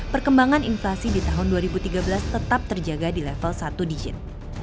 perkembangan inflasi di tahun dua ribu tiga belas tetap terjaga di level satu digit